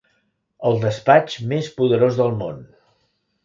El despatx més poderós del món.